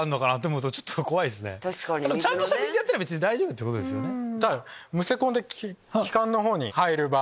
ちゃんとした水でやってれば大丈夫ってことですよね？